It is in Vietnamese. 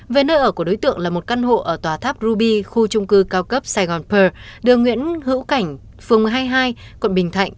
về nơi ở của đối tượng là một căn hộ ở tòa tháp ruby khu trung cư cao cấp saigon pearl đường nguyễn hữu cảnh phường một mươi hai hai quận bình thạnh